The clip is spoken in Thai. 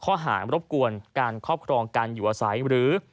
หารรบกวนการครอบครองการอยู่อาศัยหรือ